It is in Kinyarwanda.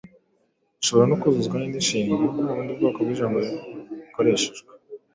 Ishobora no kuzuzwa n’indi nshinga nta bundi bwoko bw’ijambo bukoreshejwe.